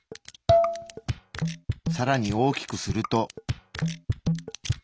さらに大きくすると。